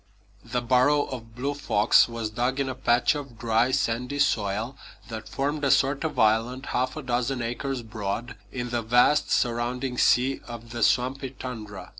The burrow of Blue Fox was dug in a patch of dry, sandy soil that formed a sort of island half a dozen acres broad in the vast surrounding sea of the swampy tundra.